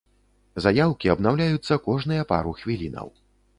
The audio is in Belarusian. Заяўкі абнаўляюцца кожныя пару хвілінаў.